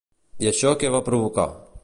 I això què va provocar?